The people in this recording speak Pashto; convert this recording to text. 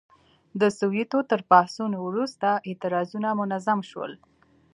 د سووېتو تر پاڅون وروسته اعتراضونه منظم شول.